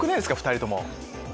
⁉２人とも。